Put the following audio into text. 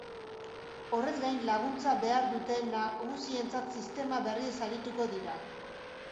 Horrez gain, laguntza behar dute nagusientzat sistema berriez arituko dira.